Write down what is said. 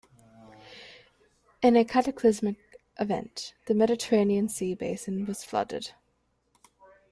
In a cataclysmic event, the Mediterranean sea basin was flooded.